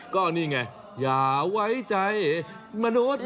ก็นี่ไงอย่าไว้ใจมนุษย์มันแสน